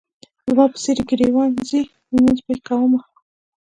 زما په څېرې ګریوان ځي لمونځ پې کومه.